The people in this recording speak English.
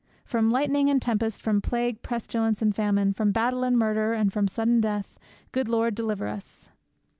'From lightning and tempest; from plague, pestilence, and famine; from battle and murder, and from sudden death, Good Lord, deliver us!'